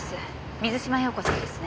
水嶋容子さんですね。